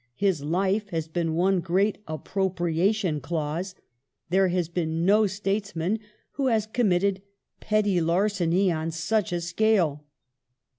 His life has been one great appropriation clause ... there has been no statesman who has committed petty larceny on such a scale."